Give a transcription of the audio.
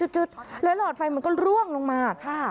จุดแล้วหลอดไฟมันก็ร่วงลงมา